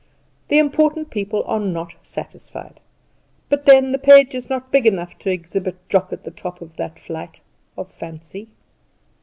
The Important People are not satisfied; but then the page is not big enough to exhibit Jock at the top of that flight of fancy!